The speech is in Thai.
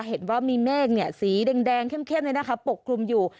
เห็นว่ามีแม่งเนี่ยสีแดงเข้มเลยนะคะปกคลุมอยู่